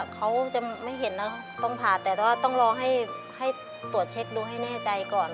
เขาจะไม่เห็นนะต้องผ่าแต่ว่าต้องรอให้ตรวจเช็คดูให้แน่ใจก่อน